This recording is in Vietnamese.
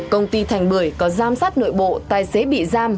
công ty thành bưởi có giám sát nội bộ tài xế bị giam